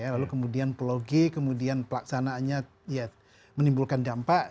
lalu kemudian pulau g kemudian pelaksanaannya ya menimbulkan dampak